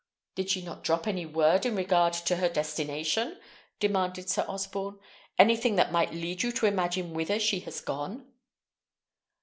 "Did she not drop any word in regard to her destination?" demanded Sir Osborne. "Anything that might lead you to imagine whither she was gone?"